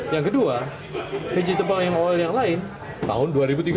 yang kedua vegetable oil yang lain tahun dua ribu tiga puluh